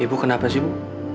ibu kenapa sih ibu